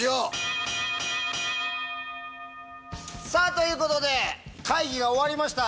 ということで会議が終わりました。